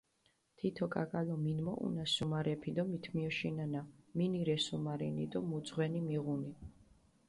თითო კაკალო მინმოჸუნა სუმარეფი დო მჷთიოშინანა, მინი რე სუმარინი დო მუ ძღვენი მიღუნი.